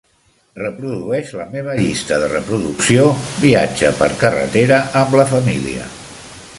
reprodueix la meva llista de reproducció Viatge per carretera amb la família.